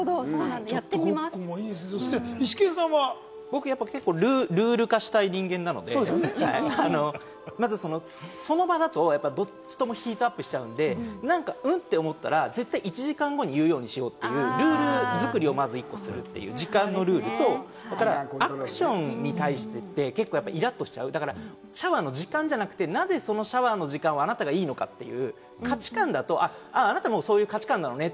ごっこもいいですね、イシケ僕はルール化したい人間なので、まずその場だと、どっちともヒートアップしちゃうと思ったら１時間後に言うようにしようというルール作りをまず１個するという時間のルールと、アクションに対して、結構イラッとしちゃう、シャワーの時間じゃなくて、なぜそのシャワーの時間をあなたがいいのかという価値観だと、あなたはそういう価値観なのねっ